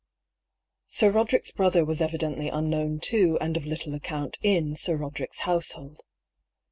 Sir Roderick's brother was evidently unknown to and of little account in Sir Roderick's household.